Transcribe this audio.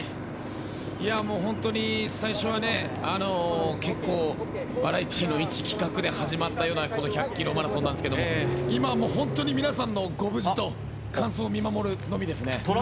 いや、もう本当に最初はね結構、バラエティーの１企画で始まったようなこの１００キロマラソンなんですけれども今は本当に皆さんのご無事と完走を見守るのみですね。